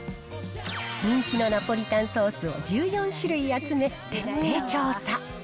人気のナポリタンソースを１４種類集め徹底調査。